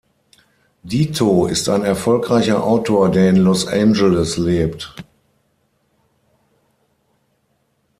Dito ist ein erfolgreicher Autor, der in Los Angeles lebt.